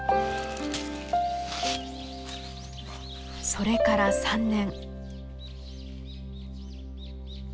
それから３年。